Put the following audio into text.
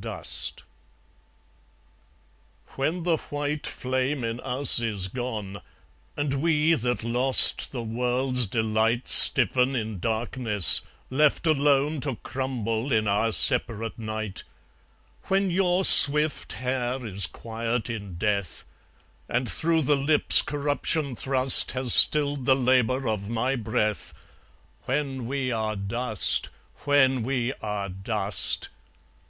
Dust When the white flame in us is gone, And we that lost the world's delight Stiffen in darkness, left alone To crumble in our separate night; When your swift hair is quiet in death, And through the lips corruption thrust Has stilled the labour of my breath When we are dust, when we are dust!